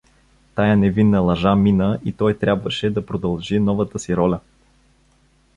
Тая невинна лъжа мина и той трябваше да продължи новата си роля.